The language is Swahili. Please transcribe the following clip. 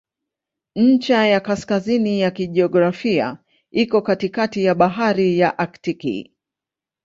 Ncha ya kaskazini ya kijiografia iko katikati ya Bahari ya Aktiki.